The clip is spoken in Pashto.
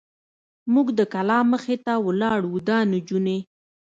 موږ د کلا مخې ته ولاړ و، دا نجونې.